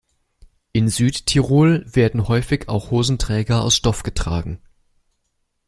In Südtirol werden häufig auch Hosenträger aus Stoff getragen.